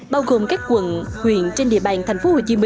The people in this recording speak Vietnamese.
bao gồm các quận huyện trên địa bàn tp hcm